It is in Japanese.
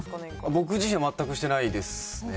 僕自身は全くしてないですね。